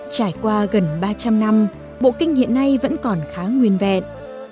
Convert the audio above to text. trải qua gần ba trăm linh năm bộ kinh hiện nay vẫn còn khá nguyên vẹn